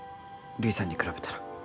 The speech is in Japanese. ルイさんに比べたら。